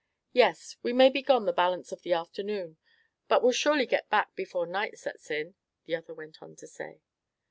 "Yes. We may be gone the balance of the afternoon, but will surely get back before night sets in," the other went on to say.